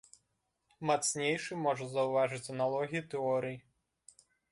Мацнейшы можа заўважыць аналогіі тэорый.